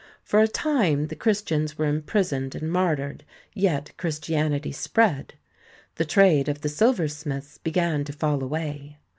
For a time the Christians were imprisoned and martyred, yet Christianity spread. The trade of the silversmiths began to fall away.